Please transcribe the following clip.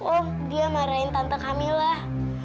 mereka marahkan tante kamilah